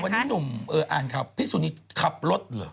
วันนี้หนุ่มอ่านข่าวพี่สุนีขับรถเหรอ